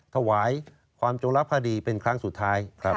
ถวายความจงรับคดีเป็นครั้งสุดท้าย